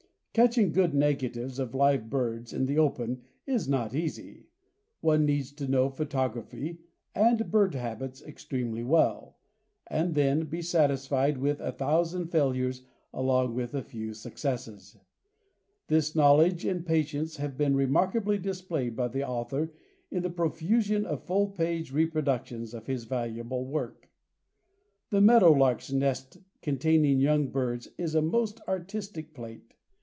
Catching good negatives of live birds in the open is not easy. One needs to know photography and bird habits extremely well, and then be satisfied with a thousand failures along with a few successes. This knowledge and patience have been remarkably displayed by the author in the profusion of full page reproductions of his valuable work. The meadow lark's nest containing young birds is a most artistic plate.